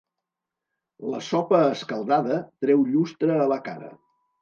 La sopa escaldada treu llustre a la cara.